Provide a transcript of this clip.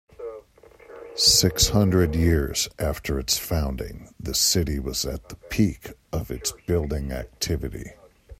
Six hundred years after its founding, the city was at the peak of its building activity.